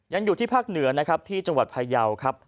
ยังอยู่ที่ภาคเหนือที่จังหวัดพายาวครับ